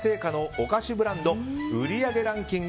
お菓子ブランド売上ランキング